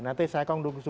nanti saya akan dukung si a